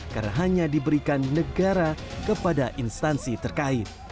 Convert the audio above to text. karena hanya diberikan negara kepada instansi terkait